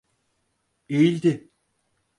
Eğildi...